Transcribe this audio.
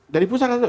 dari pusat kata